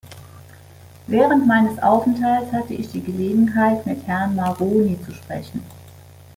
Während meines Aufenthaltes hatte ich die Gelegenheit, mit Herrn Maroni zu sprechen.